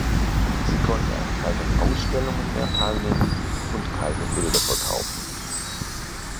Sie konnte an keinen Ausstellungen mehr teilnehmen und keine Bilder verkaufen.